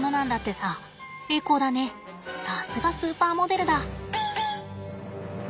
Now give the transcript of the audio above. さすがスーパーモデルだ。